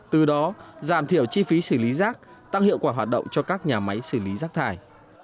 từ đó giảm thiểu chi phí xử lý rác tăng hiệu quả hoạt động cho các nhà máy xử lý rác thải